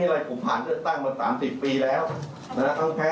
เป็นคนสูงเสือในคาราศาสน์เป็นผู้ใหญ่ของพ่น